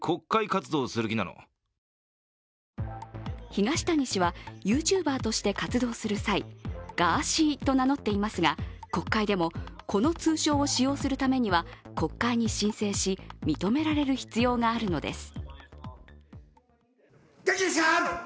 東谷氏は、ＹｏｕＴｕｂｅｒとして活動する際ガーシーと名乗っていますが国会でもこの通称を使用するためには国会に申請し、認められる必要があるのです。